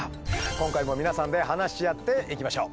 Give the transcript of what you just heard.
今回も皆さんで話し合っていきましょう。